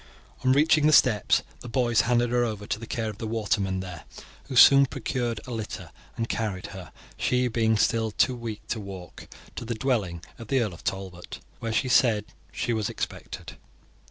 On reaching the steps the boys handed her over to the care of the watermen there, who soon procured a litter and carried her, she being still too weak to walk, to the dwelling of the Earl of Talbot, where she said she was expected.